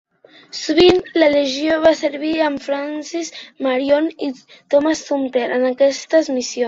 Sovint, la Legió va servir amb Francis Marion i Thomas Sumter en aquestes missions.